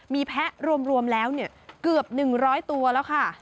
มีแพะรวมแล้วเกือบ๑๐๐ตัวแล้วค่ะ